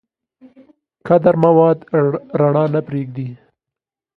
کدر مواد رڼا نه پرېږدي.